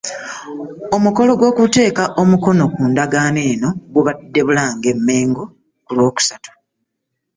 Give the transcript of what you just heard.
Omukolo gw'okuteeka emikono ku ndagaano eno gubadde mu Bulange Mmengo ku lw'okusatu.